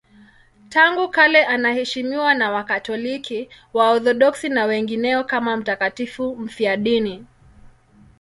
Tangu kale anaheshimiwa na Wakatoliki, Waorthodoksi na wengineo kama mtakatifu mfiadini.